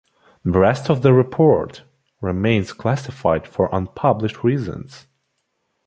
The rest of the report remains classified for unpublished reasons.